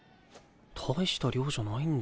大した量じゃないんだ。